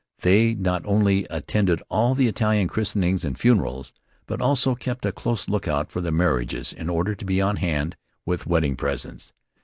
They not only attended all the Italian christenings and funerals, but also kept a close lookout for the marriages in order to be on hand with wedding presents.